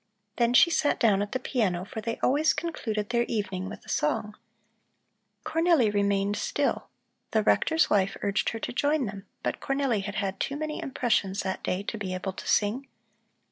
Then she sat down at the piano, for they always concluded their evening with a song. Cornelli remained still. The rector's wife urged her to join them, but Cornelli had had too many impressions that day to be able to sing.